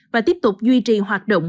và tiếp tục duy trì hoạt động